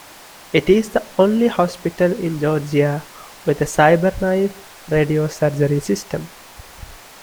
It is the only hospital in Georgia with a Cyberknife radiosurgery system.